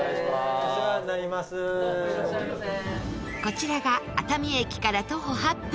こちらが熱海駅から徒歩８分